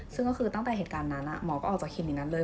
ซึ่งก็คือตั้งแต่เหตุการณ์นั้นหมอก็ออกจากคลินินั้นเลย